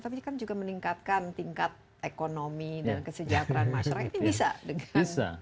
tapi kan juga meningkatkan tingkat ekonomi dan kesejahteraan masyarakat